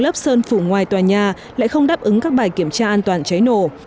lớp sơn phủ ngoài tòa nhà lại không đáp ứng các bài kiểm tra an toàn cháy nổ